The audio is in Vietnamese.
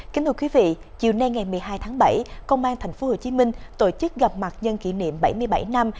kính thưa quý vị chiều nay ngày một mươi hai tháng bảy công an tp hcm tổ chức gặp mặt nhân kỷ niệm bảy mươi bảy năm